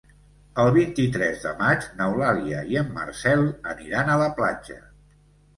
El vint-i-tres de maig n'Eulàlia i en Marcel aniran a la platja.